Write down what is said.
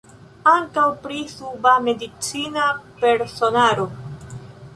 Ankaŭ pri suba medicina personaro.